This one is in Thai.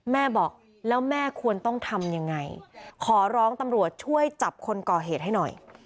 แม่บอกแล้วแม่ควรต้องทำยังไงขอร้องตำรวจช่วยจับคนก่อเหตุให้หน่อย